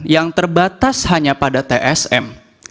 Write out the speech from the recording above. yang terbatas hanya pada tsm